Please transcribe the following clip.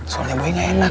soalnya boy gak enak